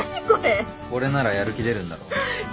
これならやる気出るんだろ？